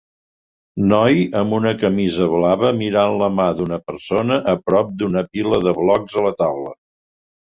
Noi amb una camisa blava mirant la mà d"una persona a prop d"una pila de blocs a la taula.